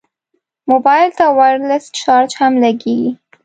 موبایل ته وایرلس چارج هم لګېږي.